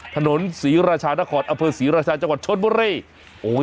ถนนศรีราชานครอเภอศรีราชาจังหวัดชนบุรีโอ้ย